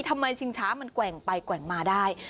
ชิงช้ามันแกว่งไปแกว่งมาได้